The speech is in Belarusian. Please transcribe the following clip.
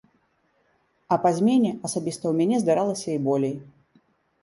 А па змене асабіста ў мяне здаралася і болей.